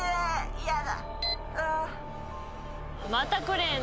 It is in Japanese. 嫌だ。